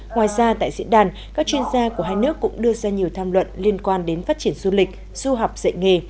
ngoài ra tại diễn đàn các chuyên gia của hai nước cũng đưa ra nhiều tham luận liên quan đến phát triển du lịch du học dạy nghề